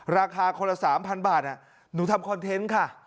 ราคาคนละ๓๐๐บาทหนูทำคอนเทนต์ค่ะ